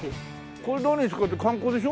これ何に使うって観光でしょ？